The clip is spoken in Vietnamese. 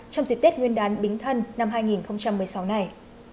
trong dịp tết nguyên đán bính thân năm hai nghìn một mươi sáu này